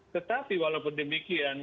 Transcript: tetapi walaupun demikian